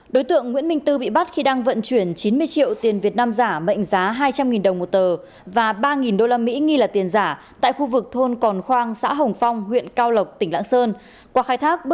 đối tượng nguyễn minh tư bị bắt khi đang vận chuyển chín mươi triệu tiền việt nam giả mệnh giá hai trăm linh đồng một tờ và ba usd nghi là tiền giả tại khu vực thôn còn khoang xã hồng pháp